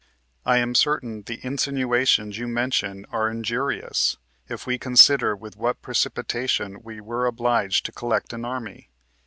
I am certain the insinuations you mention are injurious, if we consider with what precipitation we were obliged to collect an army.